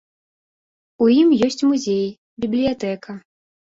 У ім ёсць музей, бібліятэка.